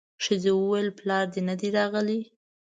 ښځې وويل پلار دې نه دی راغلی.